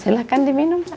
silahkan diminum pak